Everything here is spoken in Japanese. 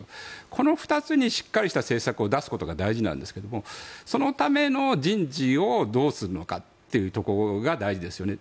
この２つにしっかりした政策を出すことが大事なんですけどそのための人事をどうするのかっていうところが大事ですよね。